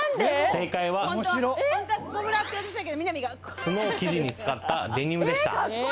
正解は角を生地に使ったデニムでした。